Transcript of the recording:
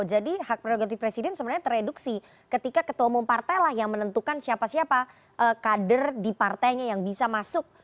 jadi hak prerogatif presiden sebenarnya tereduksi ketika ketua umum partai lah yang menentukan siapa siapa kader di partainya yang bisa masuk